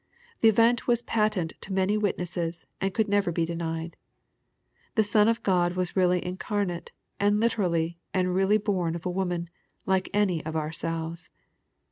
The event was patent to many wit nesses, and could never be denied. The Son of God was really incarnate, and literally and really bom of a woman, like any of ourselves.